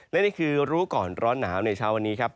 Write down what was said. และนี่คือรู้ก่อนร้อนหนาวในเช้าวันนี้ครับ